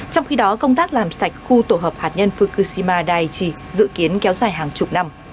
trong khi đó công tác làm sạch khu tổ hợp hạt nhân fukushima daichi dự kiến kéo dài hàng chục năm